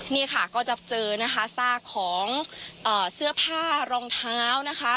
นี่ค่ะก็จะเจอนะคะซากของเสื้อผ้ารองเท้านะคะ